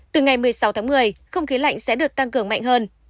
từ ngày một mươi sáu tháng một mươi không khí lạnh sẽ được tăng cường mạnh hơn